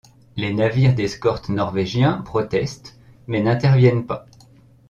Les navires d'escorte norvégiens protestent, mais n’interviennent pas.